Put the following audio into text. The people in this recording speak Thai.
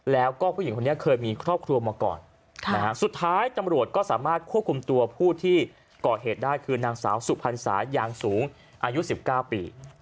แล้วก็ผู้หญิงคนนี้เคยมีครอบครัวมาก่อนสุดท้ายตำรวจก็สามารถควบคุมตัวผู้ที่ก่อเหตุได้คือนางสาวสุพรรณสายางสูงอายุ๑๙ปี